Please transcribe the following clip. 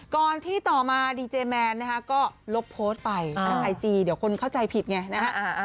ก่อนที่ต่อมาดีเจแมนนะคะก็ลบโพสต์ไปทางไอจีเดี๋ยวคนเข้าใจผิดไงนะฮะ